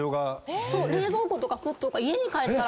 冷蔵庫とかポットとか家に帰ったら。